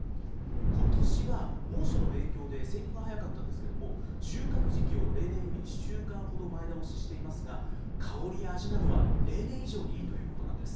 ことしは、猛暑の影響で生育が早かったんですけども、収穫時期を例年より１週間ほど前倒ししていますが、香りや味などは例年以上にいいということなんです。